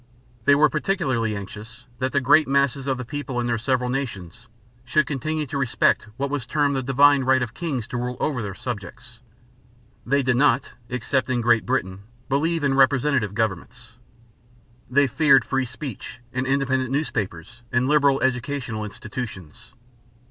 They were particularly anxious that the great masses of the people in their several nations should continue to respect what was termed "the divine right of kings to rule over their subjects." They did not, except in Great Britain, believe in representative governments. They feared free speech and independent newspapers and liberal educational institutions.